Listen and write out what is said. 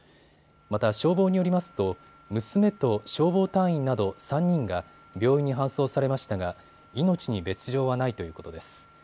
また、消防によりますと娘と消防隊員など３人が病院に搬送されましたが命に別状はないということです。